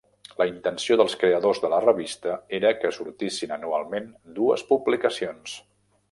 La intenció dels creadors de la revista era que sortissin anualment dues publicacions.